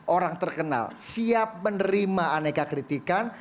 orang terkenal siap menerima aneka kritikan